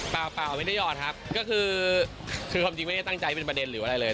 เปล่าไม่ได้หอดครับก็คือคือความจริงไม่ได้ตั้งใจเป็นประเด็นหรืออะไรเลย